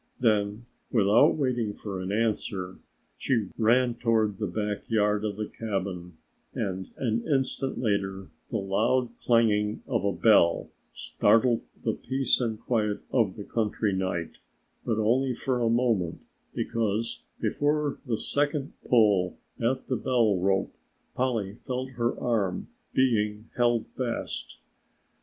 Then without waiting for an answer, she ran toward the back yard of the cabin and an instant later the loud clanging of a bell startled the peace and quiet of the country night, but only for a moment, because before the second pull at the bell rope Polly felt her arm being held fast.